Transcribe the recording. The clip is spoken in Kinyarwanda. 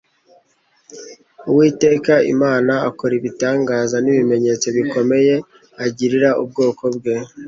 Uwiteka Imana akora ibitangaza n'ibimenyetso bikomeye agirira ubwoko bwe,